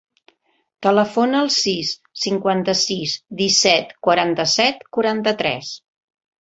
Telefona al sis, cinquanta-sis, disset, quaranta-set, quaranta-tres.